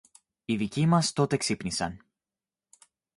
Οι δικοί μας τότε ξύπνησαν